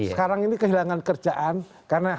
sekarang ini kehilangan kerjaan karena